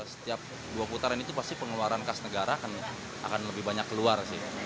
setiap dua putaran itu pasti pengeluaran kas negara akan lebih banyak keluar sih